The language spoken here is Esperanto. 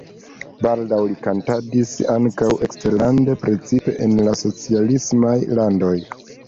Baldaŭ li kantadis ankaŭ eksterlande, precipe en la socialismaj landoj.